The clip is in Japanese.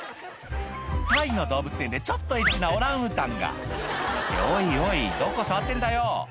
タイの動物園でちょっとエッチなオランウータンがおいおいどこ触ってんだよ